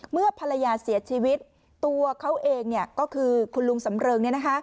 เมื่อภรรยาเสียชีวิตตัวเขาเองก็คือคุณลุงสำเริง